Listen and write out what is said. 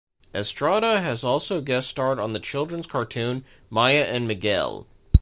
Estrada has also guest-starred on the children's cartoon "Maya and Miguel".